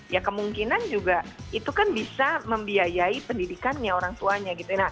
ya kemungkinan juga itu kan bisa membiayai pendidikannya orang tuanya gitu